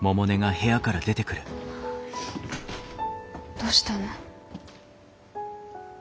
どうしたの？